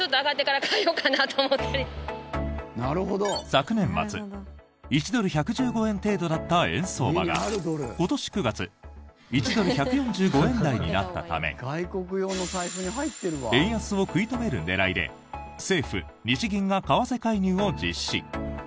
昨年末、１ドル＝１１５円程度だった円相場が今年９月１ドル＝１４５円台になったため円安を食い止める狙いで政府・日銀が為替介入を実施。